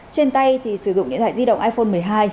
trên tay thì sử dụng điện thoại di động iphone một mươi hai